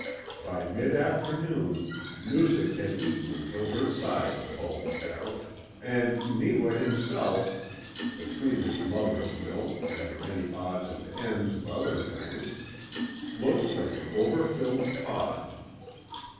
By mid afternoon Noozak had eaten until her sides bulged out, and Neewa himself between his mother's milk and the many odds and ends of other things looked like an over filled pod.